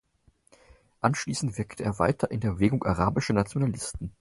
Anschließend wirkte weiter in der Bewegung Arabischer Nationalisten.